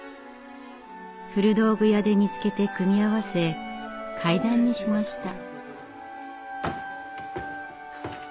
古道具屋で見つけて組み合わせ階段にしました。